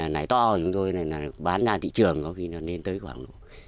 nải to chúng tôi bán ra thị trường có khi nó lên tới khoảng